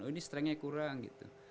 oh ini strengtnya kurang gitu